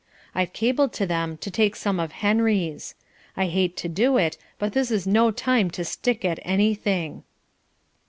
I've cabled to them to take some of Henry's. I hate to do it, but this is no time to stick at anything."